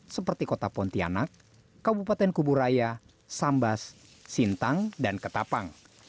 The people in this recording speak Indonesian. seperti kota pontianak kabupaten kuburaya sambas sintang dan ketapang